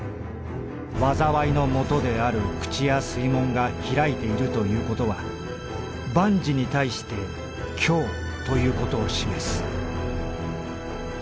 禍の元である口や水門が開いているということは万事に対して『凶』ということを示す」。